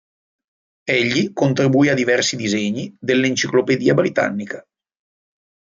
Egli contribuì a diversi disegni dell'Encyclopædia Britannica.